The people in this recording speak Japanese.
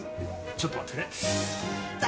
ちょっと待ってね。